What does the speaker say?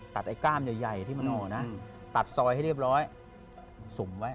ไอ้ก้ามใหญ่ที่มันออกนะตัดซอยให้เรียบร้อยสุ่มไว้